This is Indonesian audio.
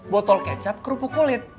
botol kecap kerupuk kulit